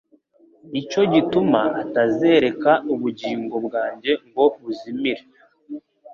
nicyo gituma atazereka ubugingo bwanjye ngo buzimire